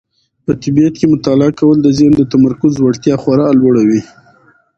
په طبیعت کې مطالعه کول د ذهن د تمرکز وړتیا خورا لوړوي.